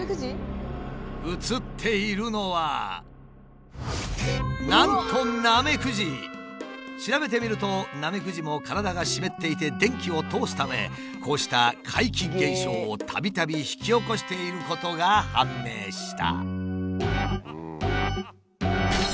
映っているのはなんと調べてみるとナメクジも体が湿っていて電気を通すためこうした怪奇現象をたびたび引き起こしていることが判明した。